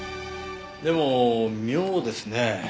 でも妙ですね。